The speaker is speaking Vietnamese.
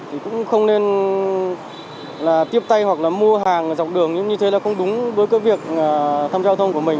thì cũng không nên là tiếp tay hoặc là mua hàng ở dọc đường như thế là không đúng với cái việc tham gia giao thông của mình